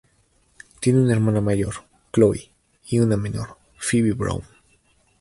Tiene una hermana mayor, Chloe y una menor, Phoebe Brown.